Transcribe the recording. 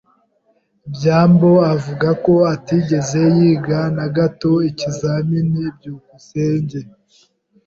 byambo avuga ko atigeze yiga na gato ikizamini. byukusenge